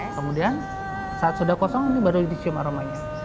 kemudian saat sudah kosong ini baru dicium aromanya